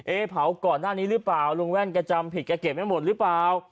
เผาก่อนหน้านี้หรือเปล่าลุงแว่นแกจำผิดแกเก็บไว้หมดหรือเปล่า